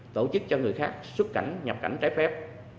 tổ chức cho người khác xuất cảnh nhập cảnh trái phép